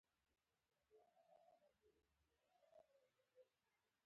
یوه ستره ډله په روم کې دېره شوه.